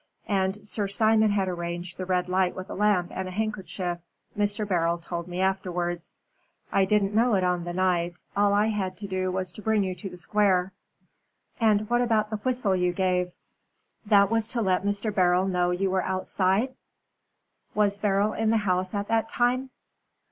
And Sir Simon had arranged the red light with a lamp and a handkerchief, Mr. Beryl told me afterwards. I didn't know it on the night. All I had to do was to bring you to the Square." "And what about the whistle you gave?" "That was to let Mr. Beryl know you were outside?" "Was Beryl in the house at that time?"